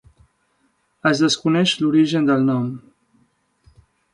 Es desconeix l'origen del nom.